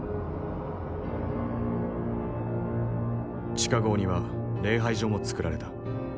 地下壕には礼拝所も造られた。